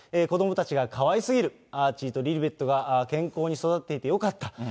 子どもたちがかわいすぎる、アーチーとリリベットが健康に育っててよかった。